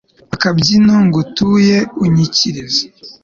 akabyino ngutuye unyikiriza